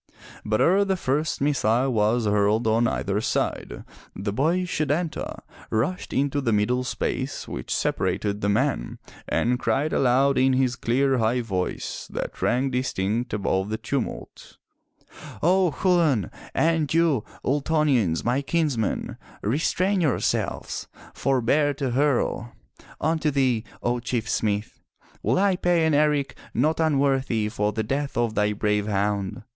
But ere the first missile was hurled on either side, the boy, Setanta, rushed into the middle space which separated the men and cried aloud in his clear, high voice that rang distinct above the tumult: "O Chulain, and you, Ultonians, my kinsmen, restrain your selves! Forbear to hurl! Unto thee, O Chief smith, will I pay an eric not unworthy for the death of thy brave hound.